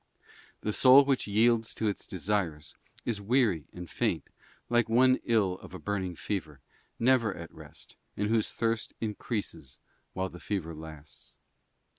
'* The soul which yields to its desires, is weary and faint, like one ill of'a burning fever, never at rest, and whose thirst increases while the fever lasts.